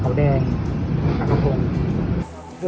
ต่อแบบแดงถังภาพมัน